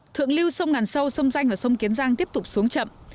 thượng lưu sông ngàn sâu sông danh ở sông kiến giang tiếp tục xuống chậm